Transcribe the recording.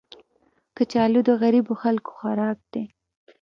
کچالو د غریبو خلکو خوراک دی